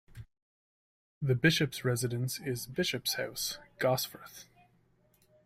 The bishop's residence is Bishop's House, Gosforth.